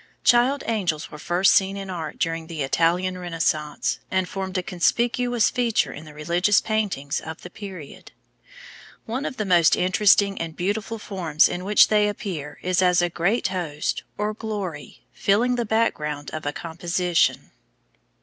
Child angels were first seen in art during the Italian Renaissance, and formed a conspicuous feature in the religious paintings of the period. One of the most interesting and beautiful forms in which they appear is as a great host, or "glory," filling the background of a composition.